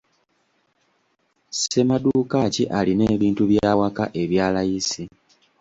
Ssemaduuka ki alina ebintu by'awaka ebya layisi?